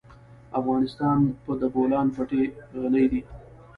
افغانستان په د بولان پټي غني دی.